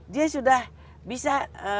dia sudah bisa